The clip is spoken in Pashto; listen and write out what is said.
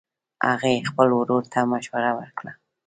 هغې خپل ورور ته مشوره ورکړه